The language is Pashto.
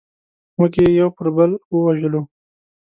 موږ یې یو پر بل ووژلو.